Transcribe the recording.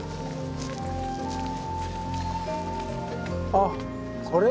あっこれ！